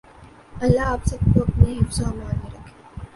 اللہ آپ سب کو اپنے حفظ و ایمان میں رکھے۔